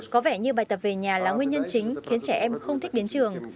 có vẻ như bài tập về nhà là nguyên nhân chính khiến trẻ em không thích đến trường